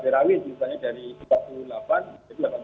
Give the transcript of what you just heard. tiba tiba hari minggu itu ya saya ke masyarakat saya datang ke masyarakat ini